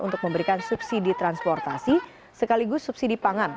untuk memberikan subsidi transportasi sekaligus subsidi pangan